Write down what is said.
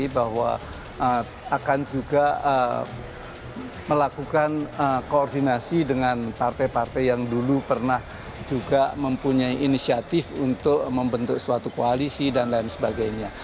bahwa akan juga melakukan koordinasi dengan partai partai yang dulu pernah juga mempunyai inisiatif untuk membentuk suatu koalisi dan lain sebagainya